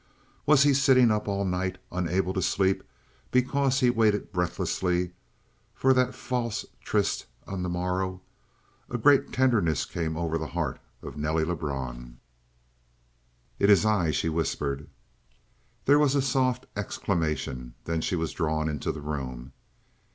Was he sitting up all the night, unable to sleep because he waited breathlessly for that false tryst on the morrow? A great tenderness came over the heart of Nelly Lebrun. "It is I," she whispered. There was a soft exclamation, then she was drawn into the room.